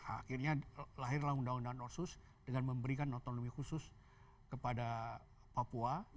akhirnya lahirlah undang undang otsus dengan memberikan otonomi khusus kepada papua